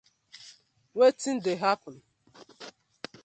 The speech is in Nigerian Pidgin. Wetin dey happen?